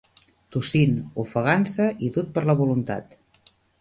Tossint, ofegant-se i dut per la voluntat